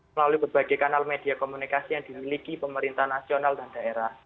melalui berbagai kanal media komunikasi yang dimiliki pemerintah nasional dan daerah